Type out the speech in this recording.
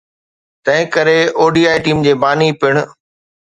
تنهن ڪري ODI team جي باني پڻ